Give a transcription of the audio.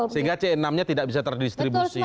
sehingga c enam nya tidak bisa terdistribusi